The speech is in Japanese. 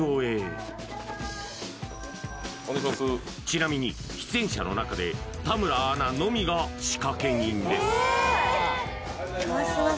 ちなみに出演者の中で田村アナのみが仕掛人です